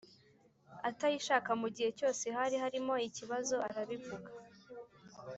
Atayishaka mu gihe cyose hari harimo ikibazo arabivuga